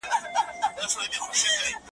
د دوی د پیدایښت سره تړلې ده `